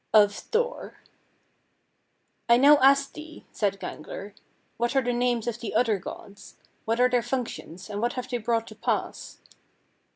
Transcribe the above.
OF THOR. 22. "I now ask thee," said Gangler, "what are the names of the other gods. What are their functions, and what have they brought to pass?"